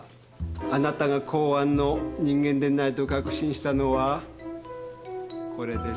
あなたが公安の人間でないと確信したのはこれです。